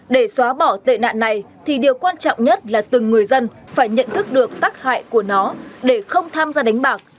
để xóa bỏ tệ nạn này thì điều quan trọng nhất là từng người dân phải nhận thức được tác hại của nó để không tham gia đánh bạc